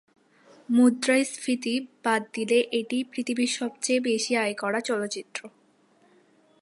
মুদ্রাস্ফীতি বাদ দিলে এটিই পৃথিবীর সবচেয়ে বেশি আয় করা চলচ্চিত্র।